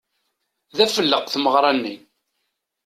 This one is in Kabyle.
D afelleq tmeɣṛa-nni.